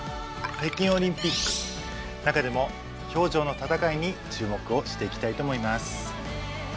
北京オリンピック中でも氷上の戦いに注目をしていきたいと思います。